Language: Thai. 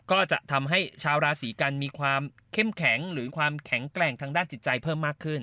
ก็จะทำให้ชาวราศีกันมีความเข้มแข็งหรือความแข็งแกร่งทางด้านจิตใจเพิ่มมากขึ้น